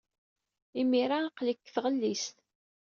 Imir-a, aql-ik deg tɣellist.